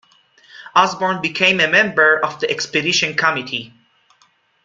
Osborn became a member of the expedition committee.